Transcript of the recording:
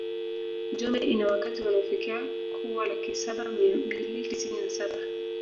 Njombe ina wakazi wanaofikia kuwa laki saba mia mbili tisini na saba